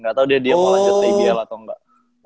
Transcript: gak tau dia mau lanjut dbl atau enggak